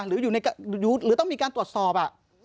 หรือต้องมีการตรวจสอบ